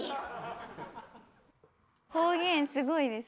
方言すごいですね。